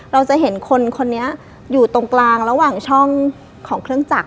เราจะเห็นคนคนนี้อยู่ตรงกลางระหว่างช่องของเครื่องจักร